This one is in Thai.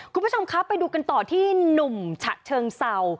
คุณผู้ชมครับไปดูกันต่อที่หนุ่มฉะเชิงเศร้า